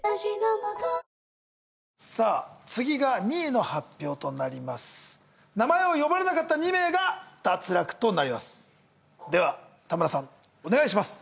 さぁ次が２位の発表となります名前を呼ばれなかった２名が脱落となりますでは田村さんお願いします